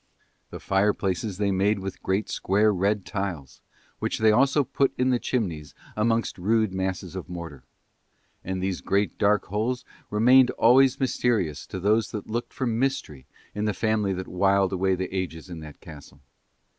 The fireplaces they made with great square red tiles, which they also put in the chimneys amongst rude masses of mortar: and these great dark holes remained always mysterious to those that looked for mystery in the family that whiled away the ages in that castle.